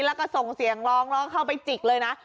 แล้วก็ส่งเสียงร้องร้องเข้าไปจิกเลยนะ